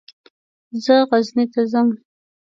زه غزني ته ځم.